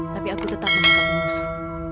tapi aku tetap menangkap musuh